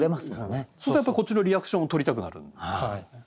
そしたらやっぱこっちのリアクションを撮りたくなる。